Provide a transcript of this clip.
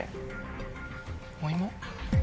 お芋？